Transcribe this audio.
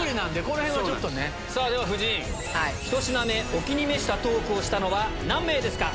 １品目お気に召したトークをしたのは何名ですか？